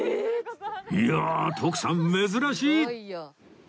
いやあ徳さん珍しい！